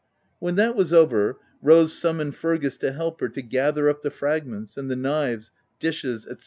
When that was over, Rose summoned Fergus OF WILDFELL HALL. 129 to help her to gather up the fragments, and the knives, dishes, &c.